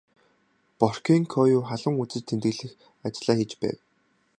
Боркенкою халуун үзэж тэмдэглэх ажлаа хийж байв.